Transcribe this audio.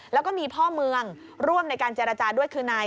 แล้วก็มีพ่อเมืองร่วมในการเจรจาด้วยคือนาย